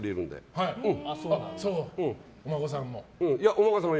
お孫さんも。